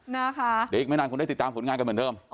เดี๋ยวอีกไม่นานคงได้ติดตามผลงานกันเหมือนเดิม